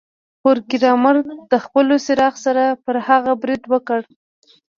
پروګرامر د خپل څراغ سره پر هغه برید وکړ